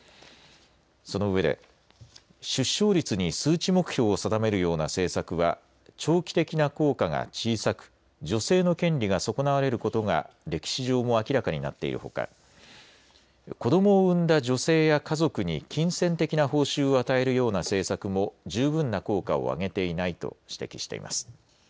そのうえで出生率に数値目標を定めるような政策は長期的な効果が小さく女性の権利が損なわれることが歴史上も明らかになっているほか、子どもを産んだ女性や家族に金銭的な報酬を与えるような政策も十分な効果を上げていないと指摘しています。